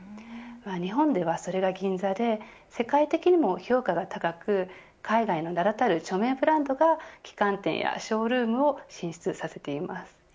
日本では、それが銀座で世界的にも評価が高く海外の名だたる著名ブランドが旗艦店やショールームを進出させています。